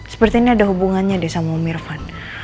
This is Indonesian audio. seperti ini ada hubungannya deh sama om irfan